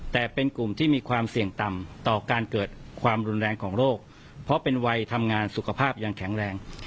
แต่เป็นกลุ่มที่มีความเสี่ยงต่ำต่อการเกิดความรุนแรงของโรคเพราะเป็นวัยทำงานสุขภาพยังแข็งแรง